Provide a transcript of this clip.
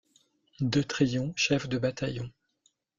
De Tryon, chef de bataillon.